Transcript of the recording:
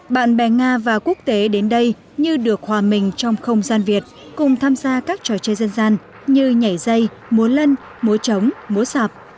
bạn bè nga và quốc tế đến đây như được hòa mình trong không gian việt cùng tham gia các trò chơi dân gian như nhảy dây múa lân múa trống múa sạp